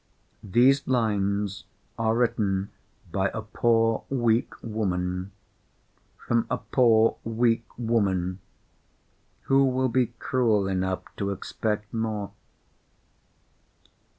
These lines are written by a poor weak woman. From a poor weak woman who will be cruel enough to expect more?